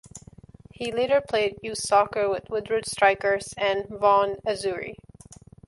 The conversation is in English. He later played youth soccer with Woodbridge Strikers and Vaughan Azzurri.